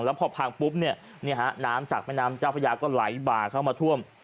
แล้วพอพังปุ๊บเนี่ยฮะน้ำจากแม่น้ำเจ้าพระยาก็ไหลบ่าเข้ามาท่วม